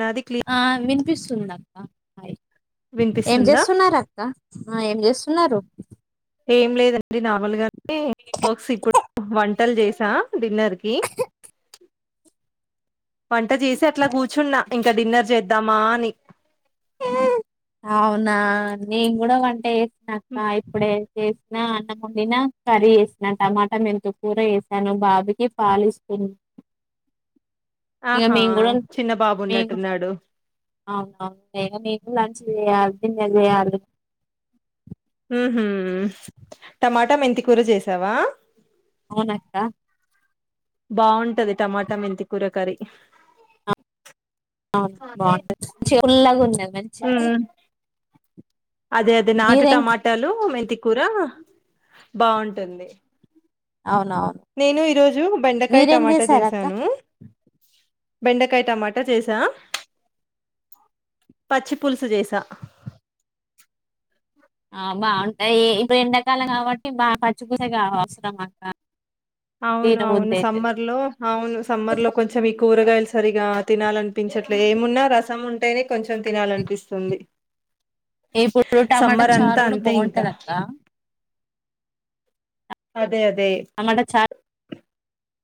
నాది క్లీ ఆ వినిపిస్తుంది అక్క హ్ ఏం వినిపిస్తుందా చేస్తున్నారు అక్క ఆ ఏం చేస్తున్నారు ఏం లేదండి నార్మల్ గా వర్క్స్ ఇప్పుడు వన్ బట్టలు చేసా డిన్నర్ కి వంట చేసి అట్లా కూర్చున్నా ఇంకా డిన్నర్ చేద్దామా అని అవునా నేను కూడా వంటే వసినక్క ఇప్పుడే చేసి నా అన్నమని నా కర్రీ వేసినాను టమాటా మెంంత కూూర వేసాను బాబుకి పాలు ఇస్తుంది అ ఆహా చిన్న బాబు ఉన్నట్టున్నాడు అ న లంచ్ చేయాలి తిన్న చేయాలి టమాటా మెంతికూర చేసావా అవునక్క బాగుంటది టమాటా మెంతి కూర కయ అవును బాగుంటది మంచి ఉల్లాగా ఉంది మంచి ఉమ్ అదే అదే నాటు టమాటాలు మెంత కూర బాగుంటుంది అవునవును నేను ఈరోజు బెండకాయ మీరేం టమాటా చేశారు అక్క చేసాను బెండకాయ టమాటా చేసా పచ్చి పులుసు చేసా ఆ బాగుంటాయి ఇప్పుడు ఎండాకాలం కాబట్టి బా పచ్చి పూలూసు కా అవసరం అక్క అవును తినబుద్ధి అవును అయితది సమ్మర్ లో అవును సమ్మర్ లో కొంచెం ఈ కూరగాయలు సరిగా తినాలనిపించట్లే ఏమున్నా రసం ఉంటేనే కొంచెం తినాలనిపిస్తుంది ఇప్పుడు టమాటా సమ్మర్ చారు అంతా కూడా అంతే ఇంకా బాగుంటది అక్క అదే అదే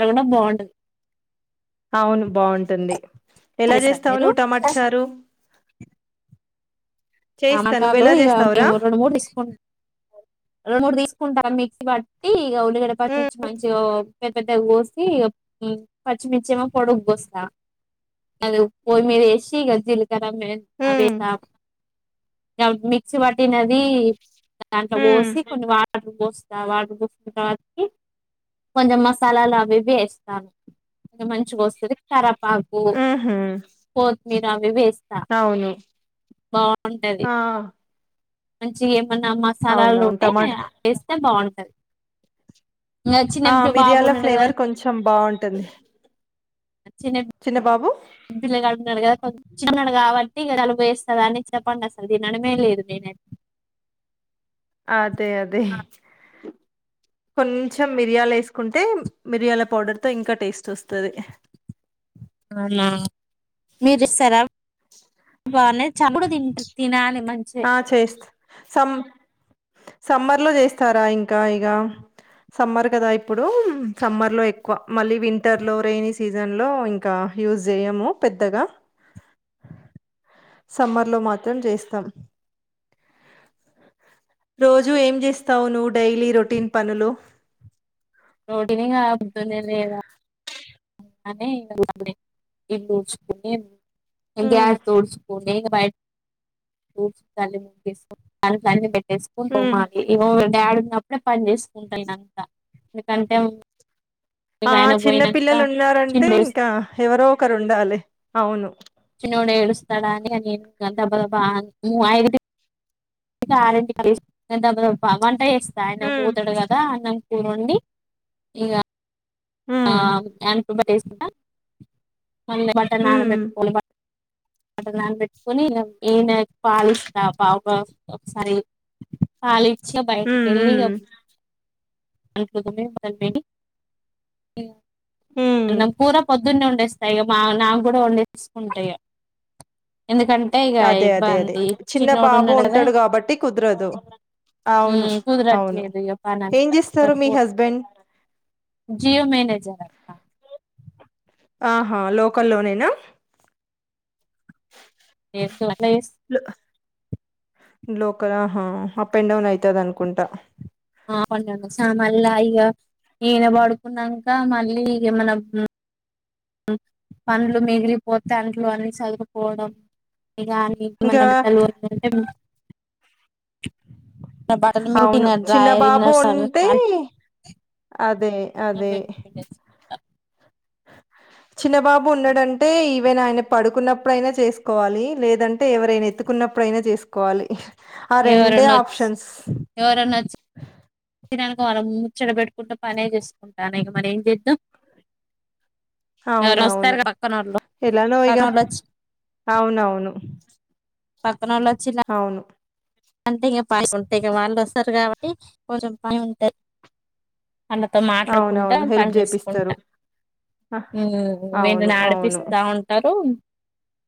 అయినా బాగుంటది అవును బాగుంటుంది ఎలా చేస్తారా చేస్తావు మీరు నువ్వు టమాటా చారు చేస్తా నువ్వు టమాటాలు ఎలా ఇక చేస్తావురా మేము రెండు మూడు తీసుకు రెండు మూడు తీసుకుంటా మిక్సీ బట్టి ఇ ఉల్లిగడ్డ పట్టి నుంచి మంచిగా పెద్ద పెద్దగా కోసి పచ్చిమిర్చి ఏమో పొడుగ్గా కోస్తా అది పొయ్యి మీద వేసి జిల కారా ఆవాలు ఉమ్ వేస్తాం ఆ మిక్సీ పట్టినది దాంట్లో ఉమ్ పోసి కొన్ని వాటర్ పోసి వాటి కూసున్న [unintelligible] కి కొంచెం మసాలాలు అవి ఇవి వేస్తాను మంచిగా వస్తది కరపాకు ఉహు కొత్తిమీర అవి ఇవి వేస్త అవును ఆ మంచి ఏమన్నా మసాలాల అవునవును ఉంటే టమాటా వేస్తే బాగుంటది ఇంకా ఆ చిన్న బాబు మిరియాల ఉన్నాడు కదా ఫ్లేవర్ కొంచెం బాగుంటుంది చిన్న పీ ల్లాడు ఉన్నాడు కదా చిన్నోడు కాబట్టి [unintelligible] అని చెప్పండి అసలు దీని అని మే లేదు నేనైతే అదే అది కొంచెం మిరియాల వేసుకుంటే మిరియాల పౌడర్ తో ఇంకా టేస్ట్ వస్తది అవునా మీరు ఇస్తారా బాగు చప్పుడు తింట తినాలి మంచి ఆ చేస్త సమ్ సమ్మర్ లో చేస్తారా ఇంకా ఇగా సమ్మర్ కదా ఇప్పుడు సమ్మర్ లో ఎక్కువ మళ్ళీ వింటర్ లో రైైనీ సీజన్ లో ఇంకా యూజ్ చేయము పెద్దగా సమ్మర్ లో మాత్రం చేస్తాం రోజూ ఏం చేస్తావు నువ్వు డైలీ రొటీన్ పనులు రోటీని ఇంగ పొద్దున్నే లేవా [unintelligible] ఉమ్ గ్యాస్ తోడిచుపోటె [unintelligible] చేసుకుంట మ ఉమ్ ఇ డాడ్ ఉన్నప్పుడే పని చేసుకుంటాను అంతా ఎందుకంటే ఇగ ఆ ఆయన చిన్న పోయిన పిల్లలు ఉన్నారంటే ఇంకా ఎవరో ఒకరు ఉండాలి అవును [unintelligible] నేను దబ్బా దబ్బాయి [unintelligible] ఇక ఆరింటికి లేస్తా ధభ దాబా వంట చేస్తా ఆయన ఉమ్ పోతాడు కదా అన్నం వండి ఇగ ఆ ఉమ్ ఉమ్ [unintelligible] వంటకు నాన్న పెట్టుకొని ఈయాన పాలి ఇస్తా పాపకు ఒకసారి పాలు ఈ చ్చి బయటికి ఉమ్ వెళ్ళి ఉమ్ [unintelligible] ఉమ్ అన్నం కూర పో పద్ధున్నే వండేస్తా ఇగ మా నాకు కూడా వండేసుకుంటాయి ఎందుకంటే ఇక అదే అదే అదే ఇబ్బంది చిన్న చిన్నోడు బాబు ఉన్నాడు కదా ఉంటాడు కాబట్టి కుదరదు అవును ఉమ్ అవును కుదిరట్లేదు ఇగ పని ఏం అంతా చేస్తారు మీ సరిపో హస్బెండ్ జి [unintelligible] మేనేజర్ అక్క ఆహా లోకల్లోనేనా లో [inaudible] లోకల్ ఆహా అప్ అండ్ డౌన్ అయితది అనుకుంటా [unintelligible] మళ్ళీ ఇక ఈయన పడుకున్నాక మళ్ళీ ఇగ మన పండ్లు మిగిలిపోతే అంట్లో అన్ని సదువుపోవడం గాని మన ఇంకా బిడ్డలు [unintelligible] అంటే బట్టలు అవును చిన్న డ్రాయర్ బాబు ఇన్నర్స్ అవి ఉంటే అదే అదే చిన్నబాబు ఉన్నాడుంటే ఈ ఎవైనా ఆయన పడుకున్నప్పుడైనా చేసుకోవాలి లేదంటే ఎవరైనా ఎత్తుకున్నప్పుడుైనా చేసుకోవాలి ఆ రెండే ఎవరన్నా వచ్చి ఆప్షన్స్ మనం ముచ్చట పెెట్టుకుంటే పనే చేసుకుంటా ఇక మరి ఏం చేద్దాం ఎవరు వస్తారు అవునవును పక్కనోళ్ళు ఎలానో ఇగ పక్కనోళ్ళు వచ్చి అవునవును పనలో వచ్చిలా అవును అంటే ఇంకా [unintelligible] ఇక వాళ్ళు వస్తారు కాబట్టి కొంచెం పని ఉంట అళతో మాట్లాడుకుంటా అవునవును హెల్ప్ పని చేపిస్తారు చేసుకుంటా అహ్, ఉమ్ విన్ను అవును అవును ఆడిపిస్తా ఉంటారు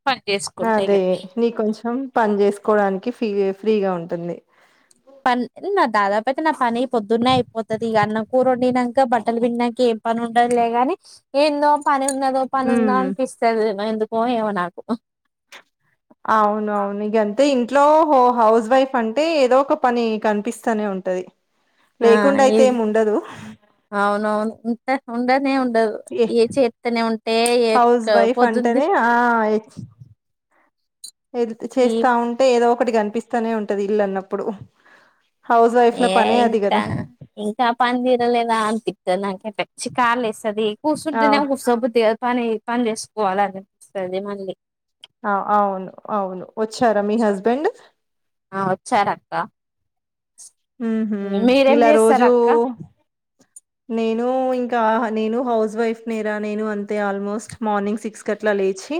పని చేసుకుంటా ఇక అదే నీ కొంచెం పని చేసుకోడానికి ఫీ ఫ్రీగా ఉంటుంది పన్ దాదాపు అయితే నా పని పొద్దున్నే అయిపోతుది ఇక అన్న కూరుొండినాక బట్టలు పిండినాక ఏం పని ఉండదులేగాని ఏందో పని చిన్నదో ఉమ్ పనుందాపిిస్తది ఎందుకో ఏమో నాకు అవును అవును ఇగ అంతే ఇం ట్లో హో హౌస్ వైఫ్ అంటే ఏదో ఒక పని కనిపిస్తానే ఉంటది ఆ లేకుండా ఈ అయితే ఏమి ఉండదు అవునువును ఉంట ఉండనే ఉ ఏ హౌస్ ఎక్క వైఫ్ పోతుంది. అంటానే ఆ ఎ ఈ చేస్తా ఉంటే ఏదో ఒకటికి కనిపిస్తానే ఉంటది ఇల్లు అన్నప్పుడు హౌస్ వైఫ్ ల ఏ పనే అది ఇంకా కదా ఇంకా పని తీరలేదా అనీపి స్తది నాకి అయితే చికాాలేస్తది ఆ కూసుఉంటెనేమో కూస బుద్ధి పని పని చేేసుకోవాలి అనిపిస్తది మళ్ళీ ఆ అవును అవును వచ్చారా మీ హస్బెండ్ వచ్చార్ అక్క ఉమ్ హ్మ్ ఇలా రోజూ చేస్తారక్క? నేను ఇంకా నేను హౌస్ వైఫ్ నేరా నేను అంతే ఆల్మోస్ట్ మార్నింగ్ సిక్స్ కట్లా లే చి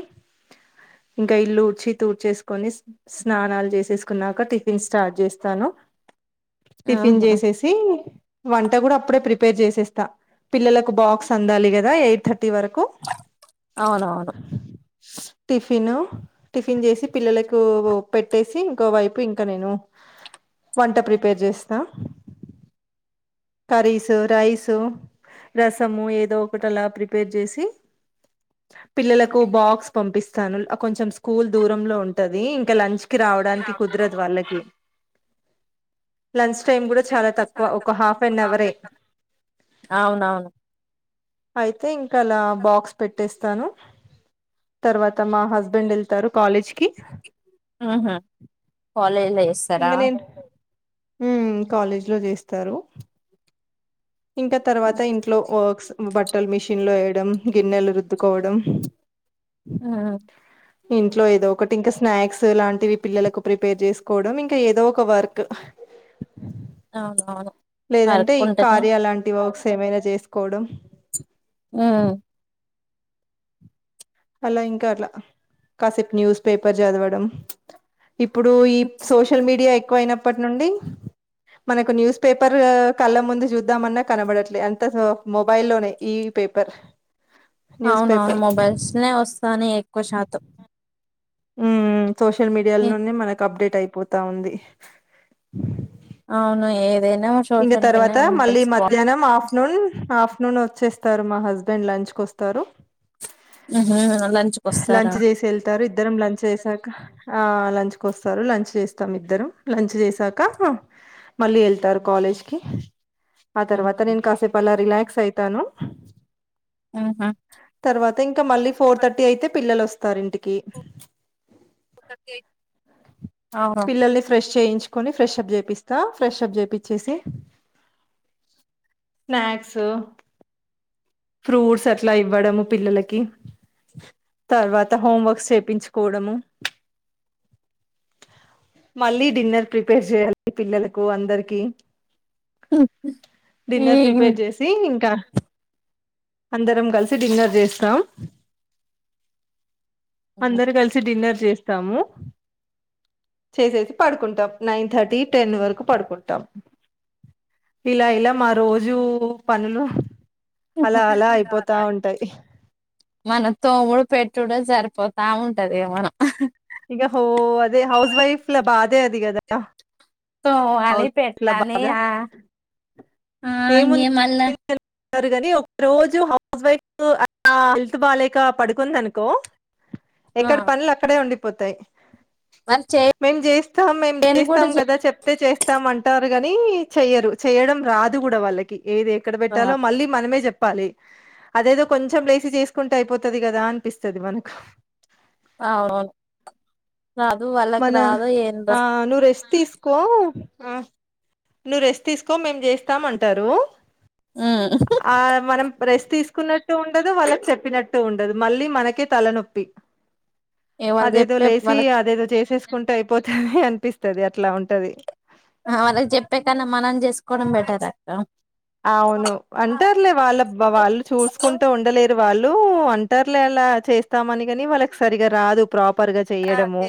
ఇంకా ఇల్లు ఊడ్చి తూడ్చేసుకొని స్నానాలు చేసేసుకున్నాక టిఫిన్ స్టార్ట్ చేస్తాను టిఫిన్ ఆహా! చేసేసి వంట కూడా అప్పుడే ప్రిపే పేర్ చేసేస్తా పిల్లలకు బాక్స్ అందాలి కదా ఎయిట్ థర్ టి వరకు అవునవును. టిఫిను టిఫిన్ చేసి పిల్లలకు పెట్టేసి ఇంకో వైపు ఇంకా నేను వంట ప్రిపేర్ చేస్తా కర్రీస్ రైసు రసము ఏదో ఒకటి అలా ప్రిపేర్ చేసి పిల్లలకు బాక్స్ పంపిస్తాను కొంచెం స్కూల్ దూరంలో ఉంటంది ఇంకా లంచ్ కి రావడానికి కుదరదు వాళ్ళకి లంచ్ టైమ్ కూడా చాలా తక్కువ ఒక హాఫ్ అన్ అవరే అవునవును. అయితే ఇంకా అలా బాక్స్ పెట్టే స్తాను తర్వాత మా హస్బెండ్ వెళ్తారు కాలేజ్ కి ఉమ్ హ్మ్ కాలేజ్ల ఇంకా నేను ఉమ్ కాలేజ్ లో చేస్తారు ఇంకా తర్వాత ఇంట్లో వర్క్స్ బట్టలు మిషన్ లో వేయడం గిన్నెలు రుద్దుకోవడం ఆ ఇంట్లో ఏదో ఒకటి ఇంకా స్నాక్స్ లాంటివి పిల్లలకు ప్రిపేర్ చేసుకోవడం ఇంకా ఏదో ఒక వర్క్ అవునవును వర్క్ లేదంటే ఈ ఉంటది కార్య లాంటి వర్క్స్ ఏమైనా చేసుకోవడం మ్మ్ అలా ఇంకా అట్లా కాసేపు న్యూస్ పేపర్ చదవడం ఇప్పుడు ఈ సోషల్ మీడియా ఎక్కువ అయినప్పటి నుండి మనకు న్యూస్ పేపర్ కళ్ళ ముందు చూద్దామన్నా కనబడట్లే అంత స మొబైల్లోనే ఈ పేపర్ న్యూస్ అవునవును పేపర్ మొబైల్స్నే వస్తన్నాయి ఎక్కువ శాతం మ్మ్ మ్మ్ సోషల్ మీడియాల ఏ నుండి మనకు అప్డేట్ అయిపోతా ఉంది అవును ఏ ఇంగ తర్వాత మళ్ళీ మధ్యాహ్నం ఆఫ్టర్నూన్ హఫ్ నూన్ వచ్చేస్తారు మా హస్బెండ్ లంచ్ కు వస్తారు ఉహు లంచ్కి వస్తారా లంచ్ చేసి వెళ్తారు ఇద్దరం లంచ్ చేసాక ఆ లంచ్ కి వస్తారు లంచ్ చేస్తాం ఇద్దరు లంచ్ చేసాక మళ్ళీ వెళ్తారు కాలేజ్ కి ఆ తర్వాత నేను కాసేపు అలా రిలాక్స్ అయితాను ఆహా అతే ఇంకా మళ్ళీ ఫోర్ థర్టీ అయితే పిల్లలు వస్తారు ఇంటికి [unintelligible] పిల్లల్ని ఫ్రెష్ చేయించుకొని ఫ్రెష్ అప్ చేపిస్తా ఫ్రెష్ అప్ చేపిచ్చేసి స్నాక్సు ఫ్రూట్స్ అట్లా ఇవ్వడము పిల్లలకి తర్వాత హోమ్ వర్క్స్ చూపించుకోవడము మళ్ళీ డిన్నర్ ప్రిపేర్ చేయాలి పిల్లలకు అందరికి ఈ డిన్నర్ ప్రిపేర్ చేసి ఇంకా అందరం కలిసి డిన్నర్ చేస్తాం అందరు కలిసి డిన్నర్ చేస్తాము చేసేసి పడుకుంటాం నైన్ థర్టీ టెన్ వరకు పడుకుంటాం ఇలా ఇలా మా రోజు పనులు అలా అలా అయిపోతా ఉంటాయి మన తోముడు పెట్టుడు సరిపోతా ఉంటది మనం ఇక హో అదే హౌస్ వైఫ్ల బాధే అది కదా తోమాలి హౌస్ వైఫ్ల పెట్టాలి బాధ ఆ ఆ ఇంగ మళ్ళా టారు కానీ ఒక రోజు హౌస్ వైఫ్ అ హెల్త్ బాాలేక పడుకుంది అనుకో ఆ ఎక్కడి పనులు అక్కడే ఉండిపోతాయి వాళ్ళు మేం చేస్తాం మేము చేయను కూడా చేస్తాం కదా చెప్ ప్తే చేస్తామంటారు కాని చెయరు చేయడం రాదు కూడా వాళ్ళకి ఏదే ఎక్కడ పెట్టాలో చేస్తారు మళ్ళీ మనమే చెప్ ప్పాలి అదేదో కొంచెం లేసి చేసుకుంటే అయిపోతది కదా అనిపిస్తది మనకు అవు మన ఆ నువ్వు రెస్ట్ తీసుకో ఆ నువ్వు రెస్ట్ తీసుకో మేము చేస్తాం అంటారు ఉమ్ ఆ మనం ప్రెస్ట్ తీసుకున్నట్టు ఉండదు వాళ్ళకి చెప్పినట్టు ఉండదు మళ్ళీ మనకే తలనొప్పి ఇగ వాళ్ళు అదేదో చెప్పే లేసి వాళ్ళ అదేదో చేసేసుకుంటే అయిపోతుది అనిపిస్తది అట్లా ఉంటది ఆళ్ళకి చెప్పే కన్నా మనం చేసుకోవడం బెటర్ అక్క అవును అంటారులే వాళ్ళ బ వాళ్ళు చూసుకుంటూ ఉండలేరు వాళ్ళు అంటారులే అలా చేస్తామని కాని వాళ్ళకి సరిగా రాదు ప్రాపర్గా చేయడము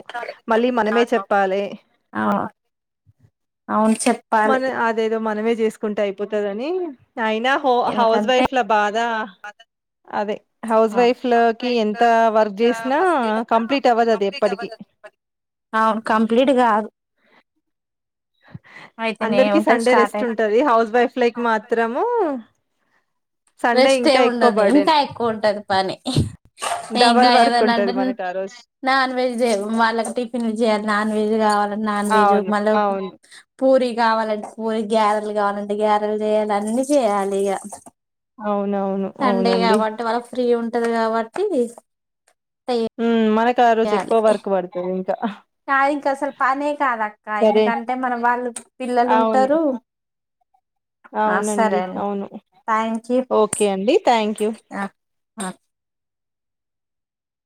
మళ్ళీ మనమే చెప్పాలె అవు అవును చెప్పాలి ఏదో మనమే చేసుకుంటే అయిపోతందని అయినా హో హౌస్ ఎందుకంటే వైఫ్ ల బాధ అదే హౌస్ వైఫ్ లోకి ఎంత వర్క్ చేసినా కంప్లీట్ అవ్వదు అది ఎప్పటికిీ అవును కంప్లీట్ కాదు అయితేనే అందరికి ఉంటది సండే స్టార్ట్ రెస్ట్ అయి ఉంటది హౌస్ వైఫ్ లైక్ మాత్రము సండే రెస్ట్ ఇంకా ఎం ఎక్కువ ఉండదు ఇంకా బర్డెన్. ఎక్కువ ఉంటది పని డబల్ ఇంకా వర్క్ ఉంటది ఏదనాంటే నా మనకు ఆ రోజు. నాన్ వెజ్ తెవు వాళ్ళకి టిఫిన్ చేయాలి నాన్ వెజ్ కావాల నాన్ వెెజ్ అవును. మళ్ళ అవును. పూరి కావాలంటే పూరి గ్యారెలు కావాలంటే గ్యారెలు చేయాలి అన్నీ చేయాలి ఇక అవునవును సండే అవునండి కాబంటే వాళ్ళ ఫ్రీ ఉం ఉంటది కాబట్టి తే ఆరోజు ఎక్కువ వర్క్ పడతది ఇంకా కానీ ఇంక అసలు పనే కాదు అక్క సరే ఎందుకంటే మనం వాళ్ళు పిల్లలు అవును ఉంటారు ఆ సరే అవునండి అండి అవును థ్యాంక్ యూ ఓకే అండి థ్యాంక్ యూ ఆ ఆ